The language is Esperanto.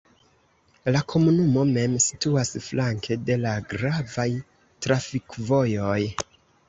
La komunumo mem situas flanke de la gravaj trafikvojoj.